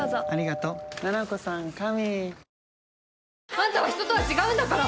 あんたはひととは違うんだから！